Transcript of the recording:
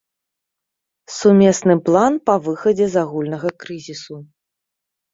Сумесны план па выхадзе з агульнага крызісу.